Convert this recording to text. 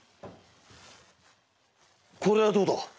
これはどうだ？